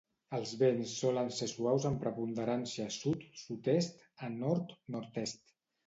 Els vents solen ser suaus amb preponderància sud, sud-est, a nord, nord-est.